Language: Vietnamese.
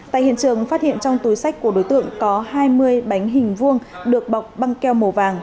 tại hiện trường phát hiện trong túi sách của đối tượng có hai mươi bánh hình vuông được bọc băng keo màu vàng